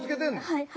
はい。